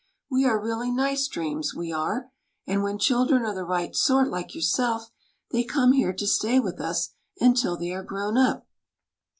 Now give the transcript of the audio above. *'We are really nice dreams, we are ; and when children are the right sort, like yourself, they come here to stay with us until they are grown up."